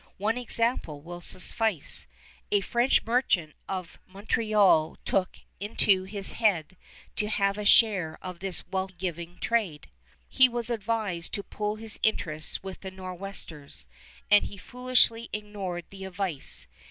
One example will suffice. A French merchant of Montreal took it into his head to have a share of this wealth giving trade. He was advised to pool his interests with the Nor'westers, and he foolishly ignored the advice.